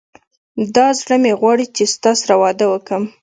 دا زړه مي غواړي چي ستا سره واده وکم